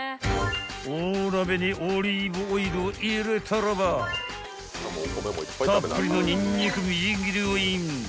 ［大鍋にオリーブオイルを入れたらばたっぷりのニンニクみじん切りをイン］